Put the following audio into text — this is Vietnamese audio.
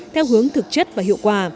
theo hướng thực chất và hiệu quả